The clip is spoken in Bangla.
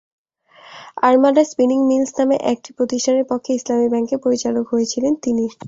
আরমাডা স্পিনিং মিলস নামে একটি প্রতিষ্ঠানের পক্ষে ইসলামী ব্যাংকের পরিচালক হয়েছিলেন তিনি।